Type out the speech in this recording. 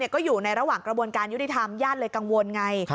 ก็อยู่ในระหว่างกระบวนการยุติธรรมญาติเลยกังวลไง